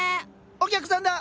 お客さんだ！